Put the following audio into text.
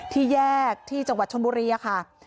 ที่แยกที่จังหวัดชนบุรีค่ะ